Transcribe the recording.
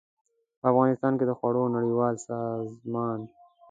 په افغانستان کې د خوړو نړیوال سازمان